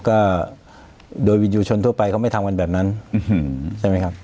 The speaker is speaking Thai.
ก็โดยวินยูชนทั่วไปเขาไม่ทำกันแบบนั้นใช่ไหมครับ